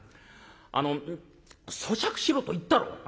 あのそしゃくしろと言ったろ。